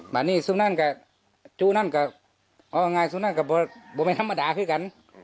บานนี้ซึ่งนั่นก็จูนั่นก็อ๋อไงซึ่งนั่นก็บ่ไม่ธรรมดาขึ้นกันอ๋อ